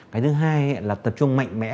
cái thứ hai là tập trung mạnh mẽ